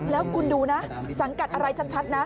แล้วคุณดูนะสังกัดอะไรชัดนะ